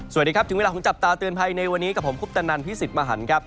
สวัสดีครับถึงเวลาของจับตาเตือนภัยในวันนี้กับผมคุปตนันพิสิทธิ์มหันครับ